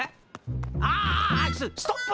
あストップ！